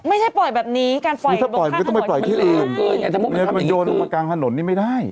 ไม่ใช่ปล่อยแบบนี้นี่ถ้าปล่อยก็ต้องไปปล่อยที่อื่นโยนลงมากลางถนนนี่ไม่ได้